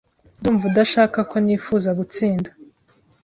Ndumva udashaka ko nifuza gutsinda .